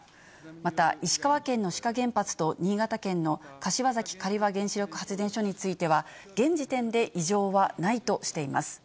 また、石川県の志賀原発と新潟県の柏崎刈羽原子力発電所については、現時点で異常はないとしています。